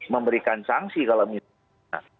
memberikan sangsi kalau misalnya